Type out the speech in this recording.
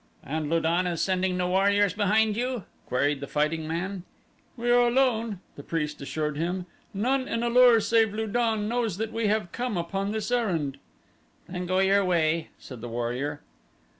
"And Lu don is sending no warriors behind you?" queried the fighting man. "We are alone," the priest assured him. "None in A lur save Lu don knows that we have come upon this errand." "Then go your way," said the warrior.